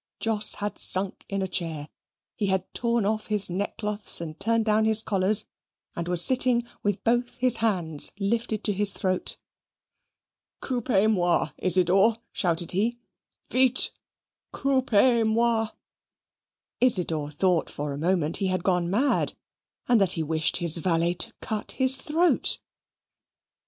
Jos had sunk in a chair he had torn off his neckcloths, and turned down his collars, and was sitting with both his hands lifted to his throat. "Coupez moi, Isidor," shouted he; "vite! Coupez moi!" Isidor thought for a moment he had gone mad, and that he wished his valet to cut his throat.